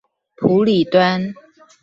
埔里端